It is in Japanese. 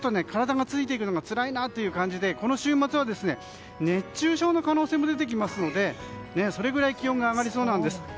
体がついていくのがつらいなという感じでこの週末は熱中症の可能性も出てきますからそれくらい気温が上がりそうです。